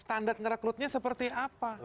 standar ngerekrutnya seperti apa